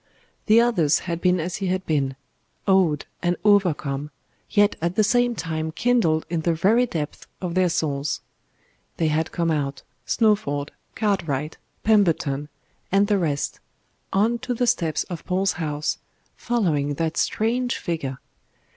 The others had been as he had been: awed and overcome, yet at the same time kindled in the very depths of their souls. They had come out Snowford, Cartwright, Pemberton, and the rest on to the steps of Paul's House, following that strange figure.